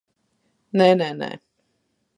Nē, nē, nē!